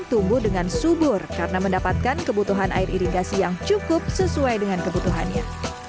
tumbuh dengan subur karena mendapatkan kebutuhan air irigasi yang cukup sesuai dengan kebutuhannya